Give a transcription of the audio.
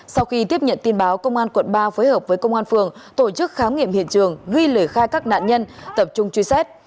sau khi tiếp nhận tin báo công an quận ba phối hợp với công an phường tổ chức khám nghiệm hiện trường ghi lời khai các nạn nhân tập trung truy xét